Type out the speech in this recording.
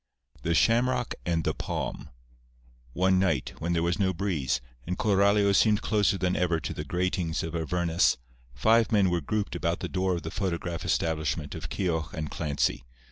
X THE SHAMROCK AND THE PALM One night when there was no breeze, and Coralio seemed closer than ever to the gratings of Avernus, five men were grouped about the door of the photograph establishment of Keogh and Clancy.